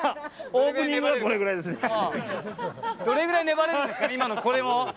どれぐらい粘れるのか今のこれを。